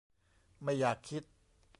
ไม่อยากคิด